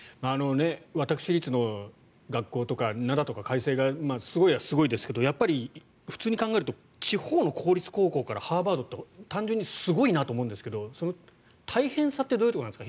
私立の学校とか灘とか開成とかすごいはすごいですけど普通に考えると地方の公立高校からハーバードって単純にすごいなと思うんですが大変さってどういうところですか？